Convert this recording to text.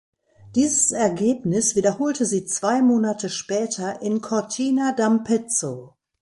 Dieses Ergebnis wiederholte sie zwei Monate später in Cortina d’Ampezzo.